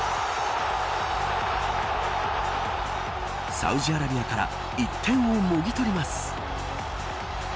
サウジアラビアから１点をもぎ取ります。